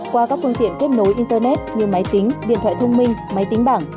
qua các phương tiện kết nối internet như máy tính điện thoại thông minh máy tính bảng